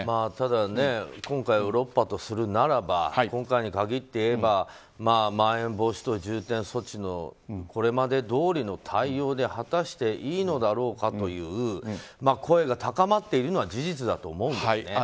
ただ今回を６波とするならば今回に限っていえばまん延防止等重点措置のこれまでどおりの対応で果たしていいのだろうかという声が高まっているのは事実だと思うんですね。